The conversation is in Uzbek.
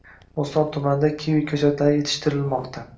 Bo‘ston tumanida kivi ko‘chatlari yetishtirilmoqda